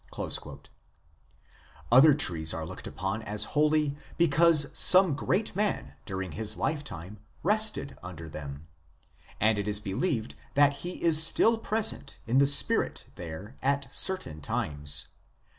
l Other trees are looked upon as holy because some great man during his lifetime rested under them ; and it is believed that he is still present in the spirit there at certain times.